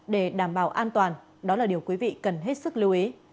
để đảm bảo an toàn đó là điều quý vị cần hết sức lưu ý